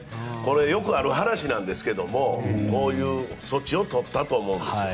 よくある話なんですけどもこういう措置をとったと思います。